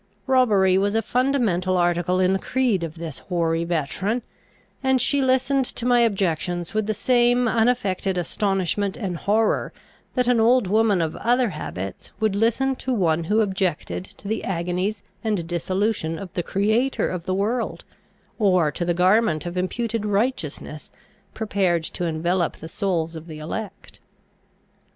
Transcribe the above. Robbery was a fundamental article in the creed of this hoary veteran, and she listened to my objections with the same unaffected astonishment and horror that an old woman of other habits would listen to one who objected to the agonies and dissolution of the Creator of the world, or to the garment of imputed righteousness prepared to envelope the souls of the elect.